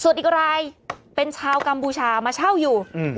สวัสดีครับรายเป็นชาวกัมบูชามาเช่าอยู่อืม